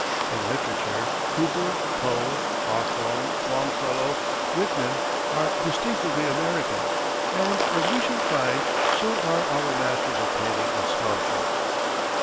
In literature, Cooper, Poe, Hawthorne, Longfellow, Whitman are distinctively American; and, as we shall find, so are our masters of painting and sculpture.